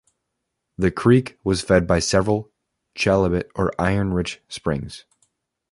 The creek, was fed by several "chalybeate" or iron rich springs.